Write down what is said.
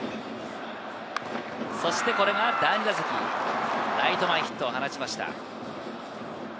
そして第２打席、ライト前ヒットを放ちました。